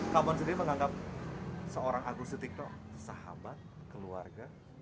kak bon sendiri menganggap seorang agus setikno sahabat keluarga